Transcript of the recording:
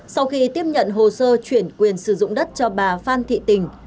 sau khi tiếp nhận hồ sơ chuyển quyền sử dụng đất cho bà phan thị tình